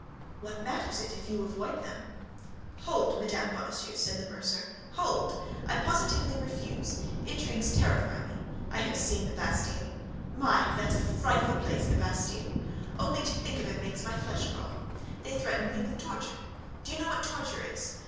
"What matters it, if you avoid them?" "Hold, Madame Bonacieux," said the mercer, "hold! I positively refuse; intrigues terrify me. I have seen the Bastille. My! Whew! That's a frightful place, that Bastille! Only to think of it makes my flesh crawl. They threatened me with torture. Do you know what torture is?